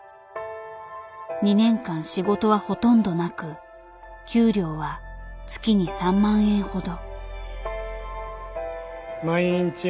２年間仕事はほとんどなく給料は月に３万円ほど。